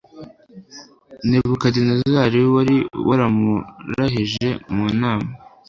Nebukadinezari wari waramurahije mu nama